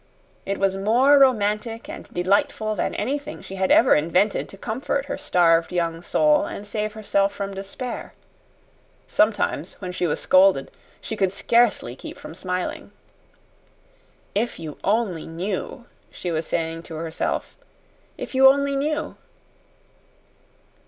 It was more romantic and delightful than anything she had ever invented to comfort her starved young soul and save herself from despair. Sometimes, when she was scolded, she could scarcely keep from smiling. "If you only knew!" she was saying to herself. "If you only knew!"